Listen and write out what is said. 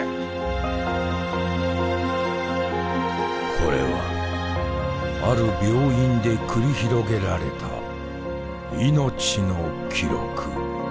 これはある病院で繰り広げられた命の記録。